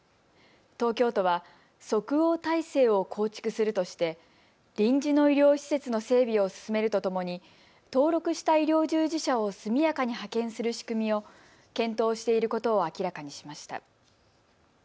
東京都は即応体制を構築するとして臨時の医療施設の整備を進めるとともに登録した医療従事者を速やかに派遣する仕組みを検討していることを明らかにしました。